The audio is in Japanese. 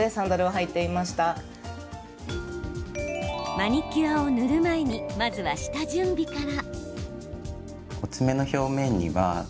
マニキュアを塗る前にまずは、下準備から。